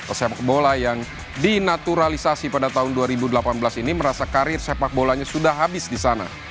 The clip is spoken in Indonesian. pesepak bola yang dinaturalisasi pada tahun dua ribu delapan belas ini merasa karir sepak bolanya sudah habis di sana